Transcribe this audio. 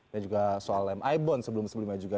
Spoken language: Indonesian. dan juga soal lem aibon sebelum sebelumnya juga